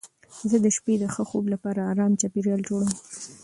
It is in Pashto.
زه د شپې د ښه خوب لپاره ارام چاپېریال جوړوم.